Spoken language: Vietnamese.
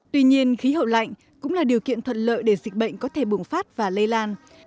tuy nhiên khí hậu lạnh cũng là điều kiện thuận lợi để dịch bệnh có thể bùng phát và lây lan